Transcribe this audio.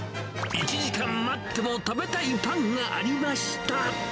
１時間待っても食べたいパンがありました。